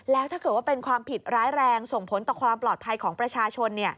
แล้วถ้าเกิดว่าเป็นความผิดร้ายแรงส่งผลต่อความปลอดภัยของประชาชน